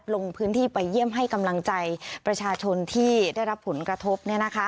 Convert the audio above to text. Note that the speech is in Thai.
ลงพื้นที่ไปเยี่ยมให้กำลังใจประชาชนที่ได้รับผลกระทบ